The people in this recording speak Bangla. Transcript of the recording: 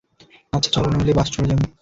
আচ্ছা চলো, নইলে বাস চলে যাবে।